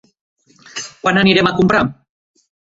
Quan anirem a comprar?